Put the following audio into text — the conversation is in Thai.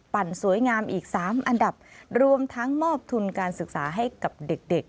สวยงามอีก๓อันดับรวมทั้งมอบทุนการศึกษาให้กับเด็ก